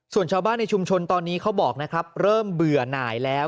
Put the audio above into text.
ส่วนชาวบ้านในชุมชนตอนนี้เขาบอกนะครับเริ่มเบื่อหน่ายแล้ว